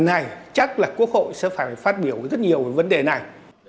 tại nghị trí của quốc hội quốc hội sẽ phải phát biểu rất nhiều về vấn đề này